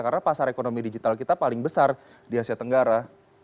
karena pasar ekonomi digital kita paling besar di asia tenggara